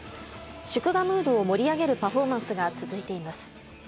祝賀ムードを盛り上げるパフォーマンスが続いています。